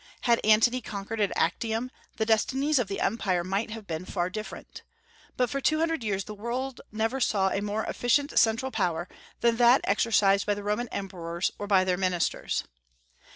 Had Antony conquered at Actium, the destinies of the empire might have been far different. But for two hundred years the world never saw a more efficient central power than that exercised by the Roman emperors or by their ministers.